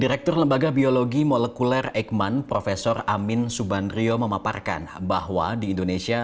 direktur lembaga biologi molekuler eikman prof amin subandrio memaparkan bahwa di indonesia